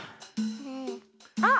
あっ！